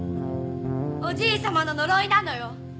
おじいさまの呪いなのよ。